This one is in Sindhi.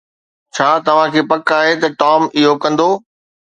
ڇا توهان کي پڪ آهي ته ٽام اهو ڪندو؟